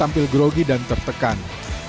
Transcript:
sampai gerogi dan tertekan